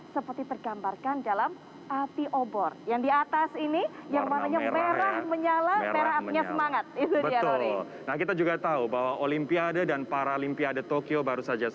seperti tergambarkan dalam api obor